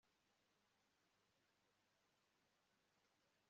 yerekanamo ibyerekeranye n'inyajwi n'ingombajwi z'ikinyarwanda, uduce tugize ijambo